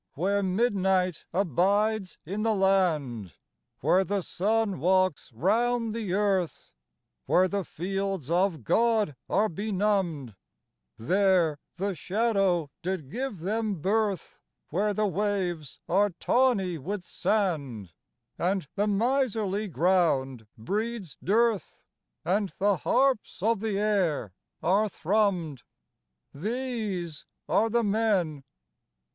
Where midnight abides in the land, Where the sun walks round the earth, Where the fields of God are benumbed, There the shadow did give them birth, 13 THE NORSEMEN Where the waves are tawny with sand And the miserly ground breeds dearth And the harps of the air are thrummed, These are the men